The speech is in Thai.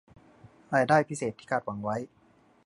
รายได้พิเศษที่คาดหวังไว้